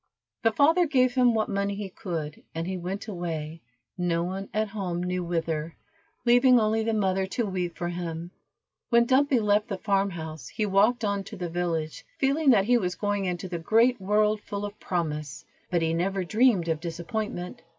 The father gave him what money he could, and he went away, no one at home knew whither, leaving only the mother to weep for him. When Dumpy left the farm house he walked on to the village, feeling that he was going into the great world full of promise, but he never dreamed of disappointment.